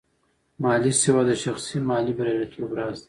مالي سواد د شخصي مالي بریالیتوب راز دی.